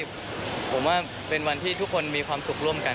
ผมว่าเป็นวันที่ทุกคนมีความสุขร่วมกัน